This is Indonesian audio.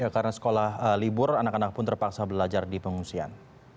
karena sekolah libur anak anak pun terpaksa belajar di pengungsian